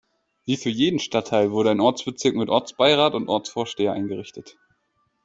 Wie für jeden Stadtteil wurde ein Ortsbezirk mit Ortsbeirat und Ortsvorsteher eingerichtet.